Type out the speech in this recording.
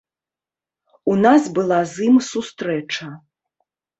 У нас была з ім сустрэча.